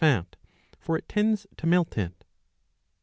fat, for it tends to melt it.